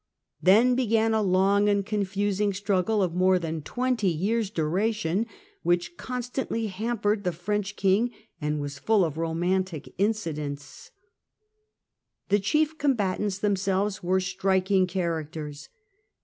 Then began a long and confusing struggle of more than twenty years' duration, which constantly hampered the French King and was full of romantic incidents. diaries of The chicf combatants themselves were striking char °'^ acters.